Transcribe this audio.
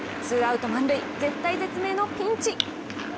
ツーアウト満塁絶体絶命のピンチ。